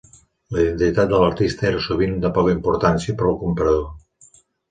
La identitat de l'artista era sovint de poca importància per al comprador.